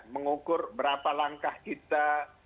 mengukur berapa langkah kita